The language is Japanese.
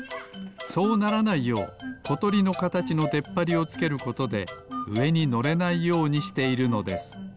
そうならないようことりのかたちのでっぱりをつけることでうえにのれないようにしているのです。